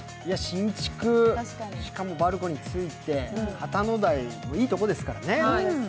新築、しかもバルコニーついて、旗の台、いいところですからね。